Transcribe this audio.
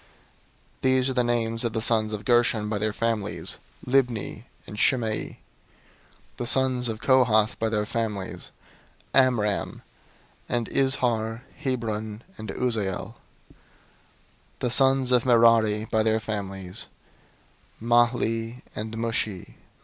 003:018 These are the names of the sons of Gershon by their families: Libni and Shimei. 003:019 The sons of Kohath by their families: Amram, and Izhar, Hebron, and Uzziel. 003:020 The sons of Merari by their families: Mahli and Mushi.